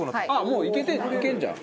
もういけるじゃん。